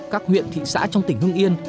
các huyện thị xã trong tỉnh hưng yên